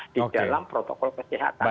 di dalam protokol kesehatan